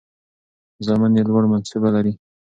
زامن یې لوړ منصبونه لري.